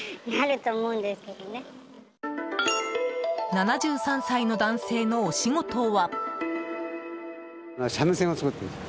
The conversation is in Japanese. ７３歳の男性のお仕事は。